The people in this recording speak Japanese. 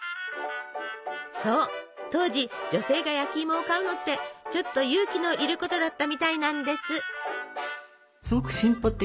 そう当時女性が焼きいもを買うのってちょっと勇気のいることだったみたいなんです。